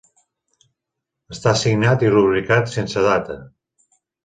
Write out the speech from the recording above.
Està signat i rubricat sense data.